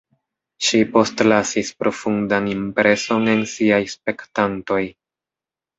Ŝi postlasis profundan impreson en siaj spektantoj.